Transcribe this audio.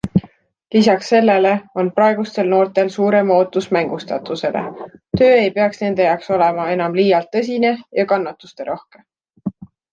Lisaks sellele on praegustel noortel suurem ootus mängustatusele - töö ei peaks nende jaoks olema enam liialt tõsine ja kannatusterohke.